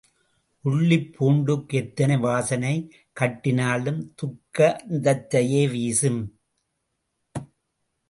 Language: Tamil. உள்ளிப் பூண்டுக்கு எத்தனை வாசனை கட்டினாலும் துர்க்கந்தத்தையே வீசும்.